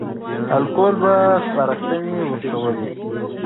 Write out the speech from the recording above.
ليکوال به سپارښتنې ورکولې.